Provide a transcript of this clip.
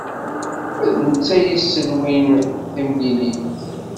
D netta ay yesselwin timlilit.